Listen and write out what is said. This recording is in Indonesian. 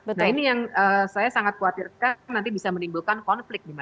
nah ini yang saya sangat khawatirkan nanti bisa menimbulkan konflik di masyarakat